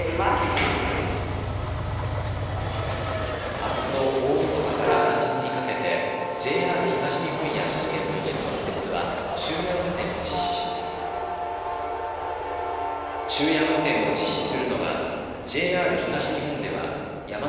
あすの大みそかから元日にかけてＪＲ東日本や首都圏の一部の私鉄は終夜運転を実施します。